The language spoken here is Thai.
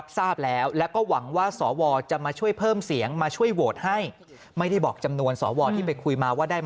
ปฏิกิจฐานพี่พลาดจะขาดรัฐบาลอยู่นานไม่ได้